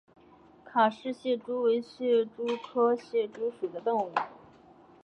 卡氏蟹蛛为蟹蛛科蟹蛛属的动物。